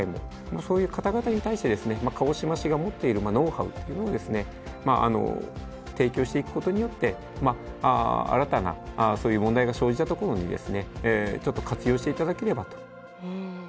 そういう方々に対してですね鹿児島市が持っているノウハウっていうのをですね提供していくことによって新たなそういう問題が生じたところにですねちょっと活用して頂ければと。